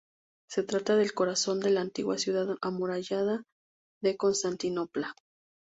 Se trata del corazón de la antigua ciudad amurallada de Constantinopla.